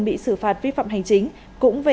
bị xử phạt vi phạm hành chính cũng về